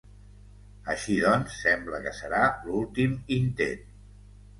Així doncs, sembla que serà l’últim intent.